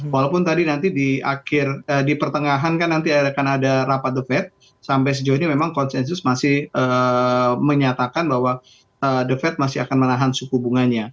walaupun tadi nanti di akhir di pertengahan kan nanti akan ada rapat the fed sampai sejauh ini memang konsensi itu akan meningkat